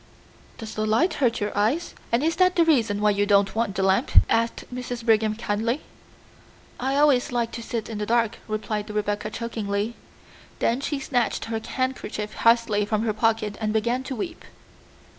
"Does the light hurt your eyes, and is that the reason why you didn't want the lamp?" asked Mrs. Brigham kindly. "I always like to sit in the dark," replied Rebecca chokingly. Then she snatched her handkerchief hastily from her pocket and began to weep.